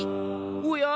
おや！